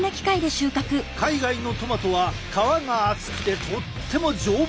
海外のトマトは皮が厚くてとっても丈夫なのだ。